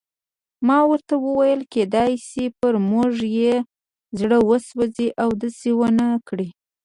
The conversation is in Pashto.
ما ورته وویل: کېدای شي پر موږ یې زړه وسوځي او داسې ونه کړي.